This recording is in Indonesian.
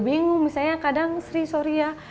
bingung misalnya kadang sri sorry ya